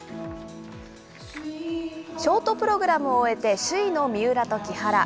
ショートプログラムを終えて首位の三浦と木原。